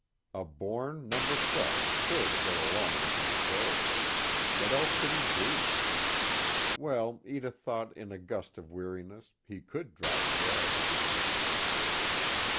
A born No. 12 sure to go along with the majority: what else could he do? Well, Edith thought in a gust of weariness, he could drop dead.